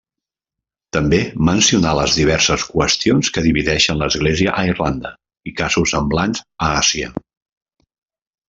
També mencionà les diverses qüestions que divideixen l'Església a Irlanda i casos semblants a Àsia.